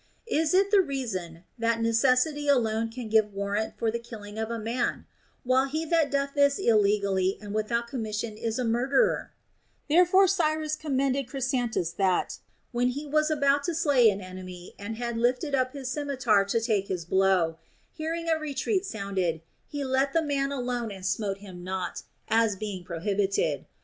Is it the reason, that necessity alone can give warrant for the killing of a man, while he that doth this illegally and without commission is a murderer \ Therefore Cyrus commended Chrysantas that, when he was about to slay an enemy and had lifted up his scimitar to take his blow, hearing a retreat sounded, he let the man alone and smote him not, as being prohibited.